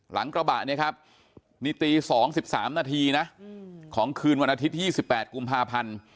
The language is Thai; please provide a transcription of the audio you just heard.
หลังกระบะนี้ครับนิตีสองสิบสามนาทีนะของคืนวันอาทิตย์๒๘กุมภาพันธ์